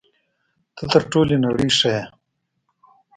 ته تر ټولې نړۍ ښه یې.